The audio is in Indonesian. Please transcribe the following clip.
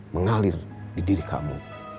mengalir di diri kamu